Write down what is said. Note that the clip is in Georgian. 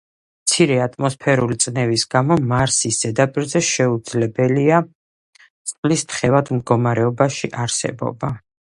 მცირე ატმოსფერული წნევის გამო მარსის ზედაპირზე შეუძლებელია წყლის თხევად მდგომარეობაში არსებობა.